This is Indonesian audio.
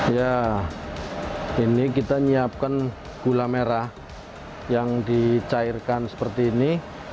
ya ini kita menyiapkan gula merah yang dicairkan seperti ini